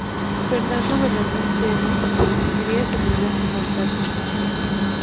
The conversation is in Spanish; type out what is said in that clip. Fernando Belaúnde Terry obtendría su primer mandato.